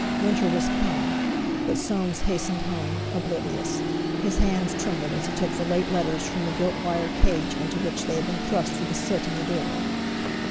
Winter was come! But Soames hastened home, oblivious; his hands trembled as he took the late letters from the gilt wire cage into which they had been thrust through the slit in the door.